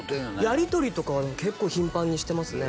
やりとりとかはでも結構頻繁にしてますね